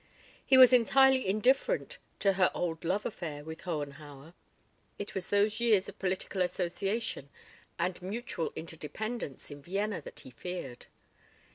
He was entirely indifferent to her old love affair with Hohenhauer. It was those years of political association and mutual interdependence in Vienna that he feared.